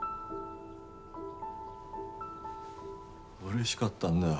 嬉しかったんだよ。